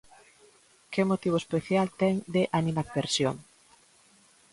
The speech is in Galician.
¿Que motivo especial ten de animadversión?